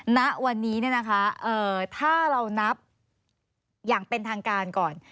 ณวันนี้ถ้าเรานับอย่างเป็นทางการก่อน